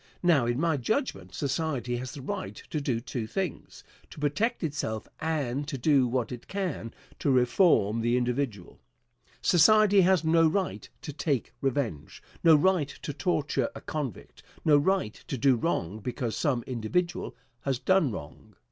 Now, in my judgment, society has the right to do two things to protect itself and to do what it can to reform the individual. Society has no right to take revenge; no right to torture a convict; no right to do wrong because some individual has done wrong.